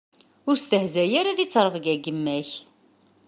Ur stehzay ara di ttrebga n yemma-k.